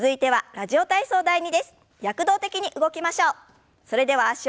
「ラジオ体操第２」。